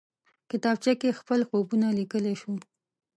کتابچه کې خپل خوبونه لیکلی شو